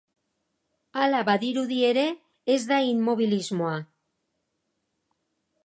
Hala badirudi ere, ez da immobilismoa.